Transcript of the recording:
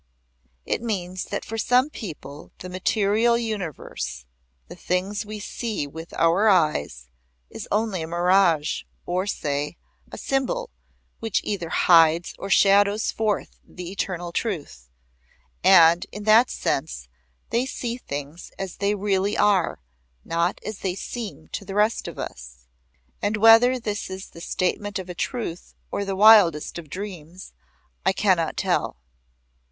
"It means that for some people the material universe the things we see with our eyes is only a mirage, or say, a symbol, which either hides or shadows forth the eternal truth. And in that sense they see things as they really are, not as they seem to the rest of us. And whether this is the statement of a truth or the wildest of dreams, I cannot tell."